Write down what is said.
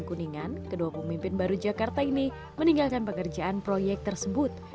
kedua pemimpin baru jakarta ini meninggalkan pengerjaan proyek tersebut